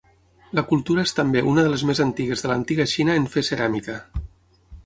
La cultura és també una de les més antigues de l'antiga Xina en fer ceràmica.